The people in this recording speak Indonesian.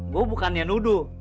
gue bukannya nuduh